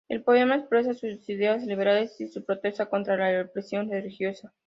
El poema expresa sus ideales liberales y su protesta contra la represión religiosa.